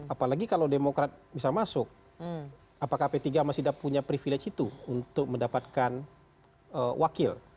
apalagi kalau demokrat bisa masuk apakah p tiga masih punya privilege itu untuk mendapatkan wakil